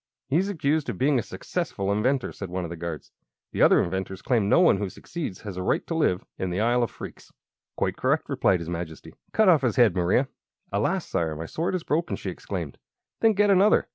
"He's accused of being a successful inventor," said one of the guards. "The other inventors claim no one who succeeds has a right to live in the Isle of Phreex." "Quite correct," replied his Majesty. "Cut off his head, Maria." "Alas, Sire! my sword is broken!" she exclaimed. "Then get another."